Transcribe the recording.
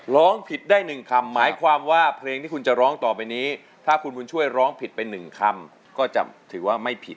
ร้องผิดได้๑คำหมายความว่าเพลงที่คุณจะร้องต่อไปนี้ถ้าคุณบุญช่วยร้องผิดไป๑คำก็จะถือว่าไม่ผิด